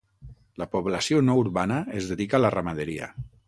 La població no urbana es dedica a la ramaderia.